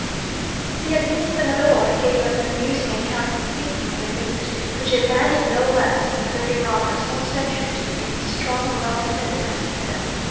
The administrador gave us an amusing account this evening of a visit which a band of no less than thirty robbers once ventured to pay this strong and well defended hacienda.